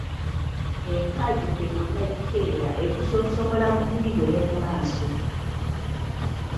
Enkajumbe bw'otagikeera ekusonsomola mu nnyindo ne mu maaso.